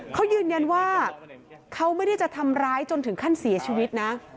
เขายืนยันว่าเขาไม่ได้จะทำร้ายจนถึงขั้นเสียชีวิตนะ